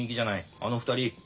あの２人。